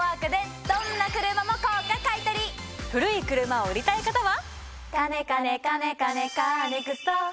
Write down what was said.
古い車を売りたい方は。